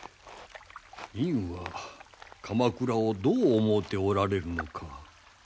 院は鎌倉をどう思うておられるのか。